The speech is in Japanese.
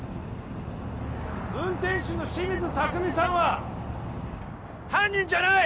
運転手の清水拓海さんは犯人じゃない！